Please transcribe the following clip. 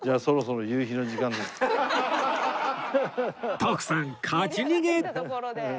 徳さん勝ち逃げ！